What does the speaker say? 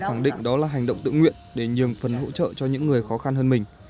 khẳng định đó là hành động tự nguyện để nhường phần hỗ trợ cho những người khó khăn hơn mình